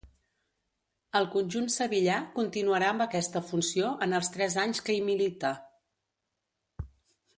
Al conjunt sevillà continuarà amb aquesta funció en els tres anys que hi milita.